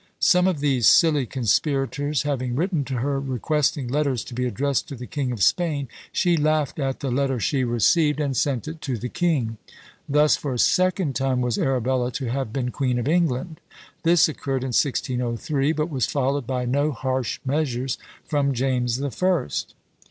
Some of these silly conspirators having written to her, requesting letters to be addressed to the King of Spain, she laughed at the letter she received, and sent it to the king. Thus for a second time was Arabella to have been Queen of England. This occurred in 1603, but was followed by no harsh measures from James the First.